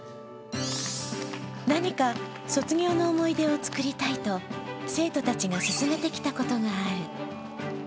何か卒業の思い出を作りたいと、生徒たちが進めてきたことがある。